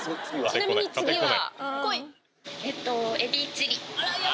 ちなみに次は？